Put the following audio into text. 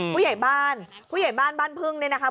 ผู้ใหญ่บ้านผู้ใหญ่บ้านบ้านพึ่งเนี่ยนะคะ